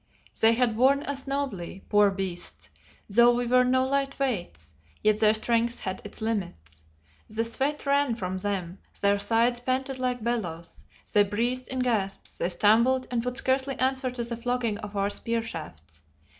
They had borne us nobly, poor beasts, though we were no light weights, yet their strength had its limits. The sweat ran from them, their sides panted like bellows, they breathed in gasps, they stumbled and would scarcely answer to the flogging of our spear shafts.